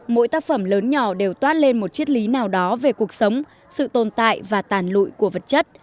mỗi tác phẩm lớn nhỏ đều toát lên một chiếc lý nào đó về cuộc sống sự tồn tại và tàn lụi của vật chất